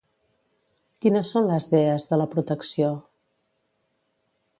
Quines són les dees de la protecció?